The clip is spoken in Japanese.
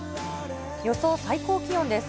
予想最高気温です。